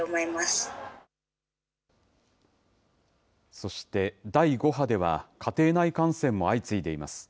そして第５波では、家庭内感染も相次いでいます。